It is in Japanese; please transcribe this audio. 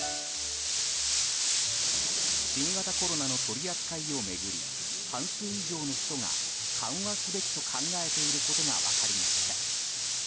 新型コロナの取り扱いを巡り半数以上の人が緩和すべきと考えていることが分かりました。